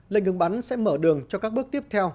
lệnh ngừng bắn sẽ mở đường cho các bước tiếp theo